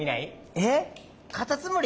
えっカタツムリ？